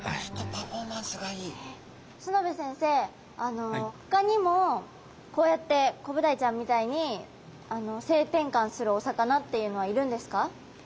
須之部先生あのほかにもこうやってコブダイちゃんみたいに性転換するお魚っていうのはいるんですか？